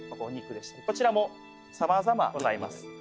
お肉ですとかこちらもさまざまございます。